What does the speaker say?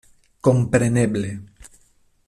Kompreneble!